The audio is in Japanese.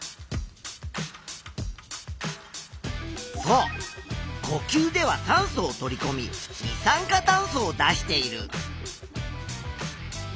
そうこきゅうでは酸素を取りこみ二酸化炭素を出している。